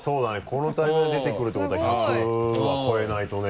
このタイミングで出てくるってことは１００は超えないとね。